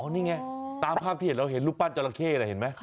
นี่ไงตามภาพที่เห็นเราเห็นรูปปั้นจราเข้น่ะเห็นไหม